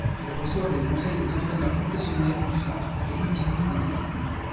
Ils reçoivent les conseils des entraîneurs professionnels du Centre et utilisent les équipements.